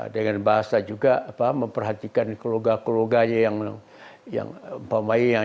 dengan bahasa juga memperhatikan keluarga keluarganya yang umpamanya